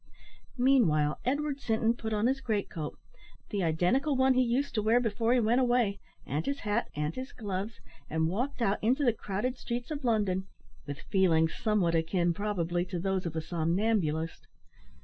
Meanwhile, Edward Sinton put on his great coat the identical one he used to wear before he went away and his hat and his gloves, and walked out into the crowded streets of London, with feelings somewhat akin, probably, to those of a somnambulist.